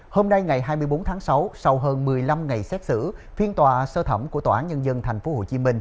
hôm nay ngày hai mươi bốn tháng sáu sau hơn một mươi năm ngày xét xử phiên tòa sơ thẩm của tòa án nhân dân tp hcm